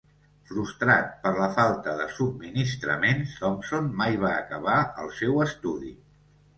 Frustrat per la falta de subministraments, Thompson mai va acabar el seu estudi.